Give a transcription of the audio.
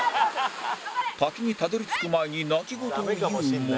滝にたどり着く前に泣き言を言うも